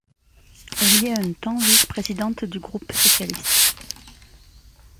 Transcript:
Elle y est un temps vice-présidente du groupe socialiste.